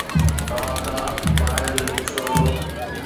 توهان کان باهه جو هڪ شعلہ